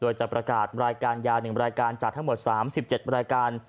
โดยจะประกาศรายการยา๑รายการจากทั้งหมด๓๗รายการ